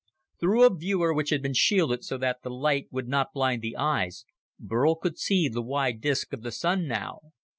Through a viewer which had been shielded so that the light would not blind the eyes, Burl could see the wide disc of the Sun now.